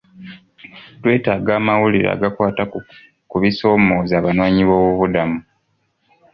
Twetaaga amawulire agakwata ku bisoomooza abanoonyiboobubudamu.